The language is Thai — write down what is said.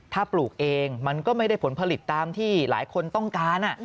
ถ้าปลูกเองมันก็ไม่ได้ผลผลิตตามที่หลายคนต้องการ